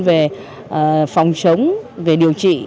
về phòng chống về điều trị